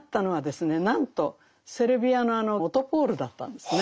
なんとセルビアのあの「オトポール！」だったんですね。